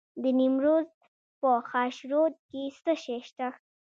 د نیمروز په خاشرود کې څه شی شته؟